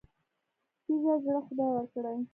تیږه زړه خدای ورکړی.